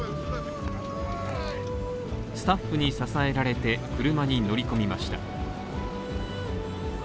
スタッフに支えられて車に乗り込みました。